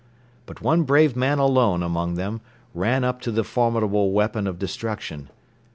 But one brave man alone among them ran up to the formidable weapon of destruction.